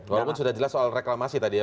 walaupun sudah jelas soal reklamasi tadi ya